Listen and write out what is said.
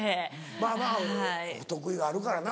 まぁまぁ不得意があるからな。